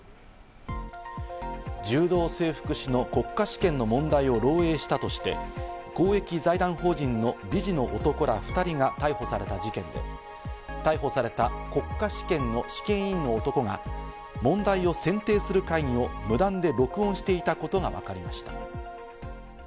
柔道整復師の国家試験の問題を漏えいしたとして、公益財団法人の理事の男ら２人が逮捕された事件で、逮捕された国家試験の試験委員の男が問題を選定する会議を無断で録音していたことがわかりました。